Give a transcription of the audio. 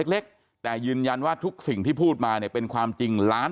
เล็กแต่ยืนยันว่าทุกสิ่งที่พูดมาเนี่ยเป็นความจริงล้าน